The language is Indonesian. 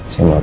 saya mau tau